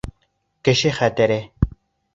Кеше хәтере...